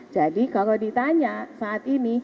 kalau ditanya saat ini